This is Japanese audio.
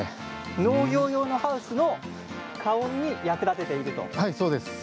農業用ハウスの加温に役立てていると。